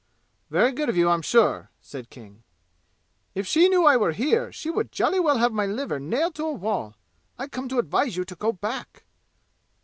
"Very good of you, I'm sure!" said King. "If she knew I were here, she would jolly well have my liver nailed to a wall! I come to advise you to go back!"